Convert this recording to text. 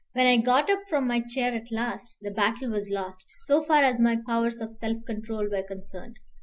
When I got up from my chair at last, the battle was lost, so far as my powers of self control were concerned.